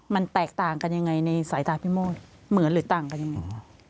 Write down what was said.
มันแตกต่างกันยังไงในสายตาพี่โมดเหมือนหรือต่างกันยังไง